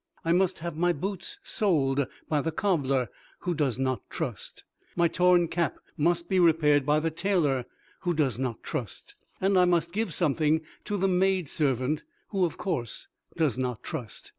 I must have my boots soled by the cobbler, who does not trust; my torn cap must be repaired by the tailor, who does not trust; and I must give something to the maid servant, who of course does not trust.